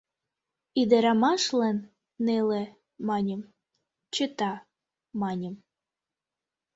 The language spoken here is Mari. Ӱдырамашлан «неле» маньым, «чыта» маньым.